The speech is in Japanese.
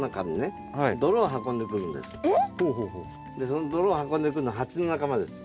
その泥を運んでくるのはハチの仲間です。